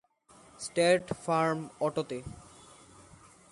State Farm অটোতে।